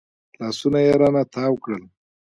لاسونه يې رانه تاو کړل.